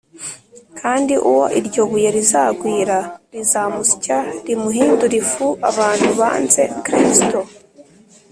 ' kandi uwo iryo buye rizagwira, rizamusya rimuhindure ifu’ abantu banze kristo,